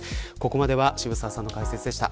ここまでは澁澤さんの解説でした。